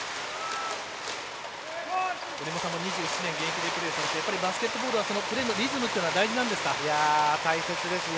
折茂さんも２７年現役でプレーされてバスケットボールはプレーのリズムというのは大事なんですか。